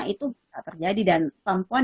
itu terjadi dan perempuan